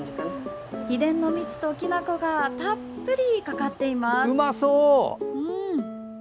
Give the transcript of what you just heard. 秘伝の蜜ときな粉がたっぷりかかっています。